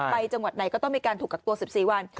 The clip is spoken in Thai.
จังหวัดไหนก็ต้องมีการถูกกักตัว๑๔วัน